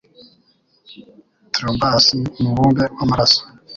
Trombus ni umubumbe w'amaraso,